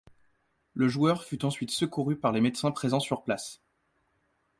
Le joueur fut ensuite secouru par les médecins présents sur place.